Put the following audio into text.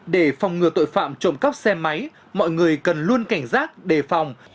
để phòng ngừa tội phạm trộm cắp xe máy mọi người cần luôn cảnh giác đề phòng